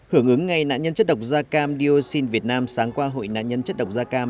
hưởng ứng ngày nạn nhân chất độc da cam dioxin việt nam sáng qua hội nạn nhân chất độc da cam